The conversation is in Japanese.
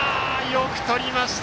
よくとりました！